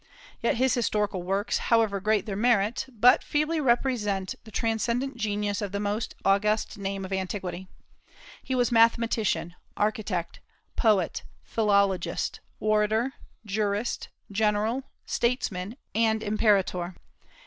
Yet his historical works, however great their merit, but feebly represent the transcendent genius of the most august name of antiquity. He was mathematician, architect, poet, philologist, orator, jurist, general, statesman, and imperator.